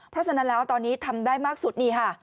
เพราะฉะนั้นแล้วตอนนี้ทำได้มากสุดนี่ค่ะ